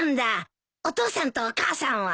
お父さんとお母さんは？